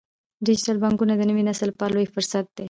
ډیجیټل بانکوالي د نوي نسل لپاره لوی فرصت دی۔